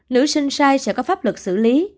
nữ sinh sai sẽ có pháp luật xử lý